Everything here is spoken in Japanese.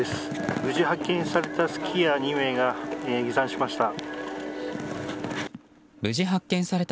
無事発見されたスキーヤー２名が下山しました。